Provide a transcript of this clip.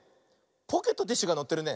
ポケットティッシュがのってるね。